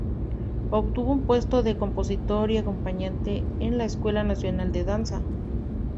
Obtuvo un puesto de compositor y acompañante en la Escuela Nacional de Danza.